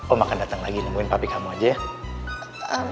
om akan dateng lagi nemuin papi kamu aja ya